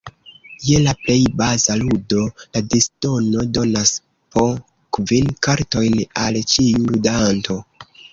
Je la plej baza ludo, la disdono donas po kvin kartojn al ĉiu ludanto.